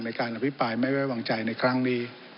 การอภิปรายไม่ไว้วางใจในครั้งนี้